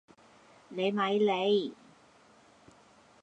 你咪理